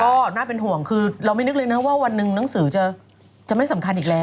ก็น่าเป็นห่วงคือเราไม่นึกเลยนะว่าวันหนึ่งหนังสือจะไม่สำคัญอีกแล้ว